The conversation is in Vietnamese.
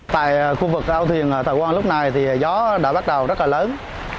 tại khu vực ấu thuyền thảo quang lúc này thì gió đã bắt đầu rất là lớn